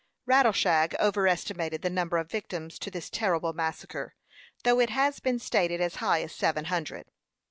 Rattleshag over estimated the number of victims to this terrible massacre, though it has been stated as high as seven hundred.